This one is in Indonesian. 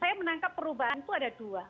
saya menangkap perubahan itu ada dua